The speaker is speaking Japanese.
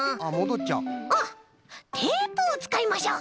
あっテープをつかいましょう！